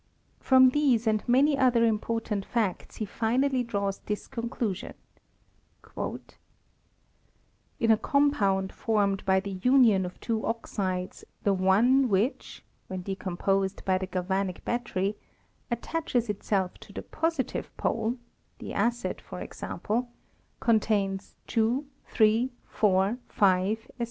From these and many other important factf be finally draws this conclusion :" In a compound formed by the union of two oxides, the one which (when decomposed by the galvanic battery) attaches Itself to the positive pole (the acid for example) con tains two, three, four, five, &c.